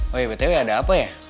woy betewi ada apa ya